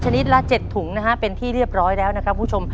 นิดละ๗ถุงนะฮะเป็นที่เรียบร้อยแล้วนะครับคุณผู้ชม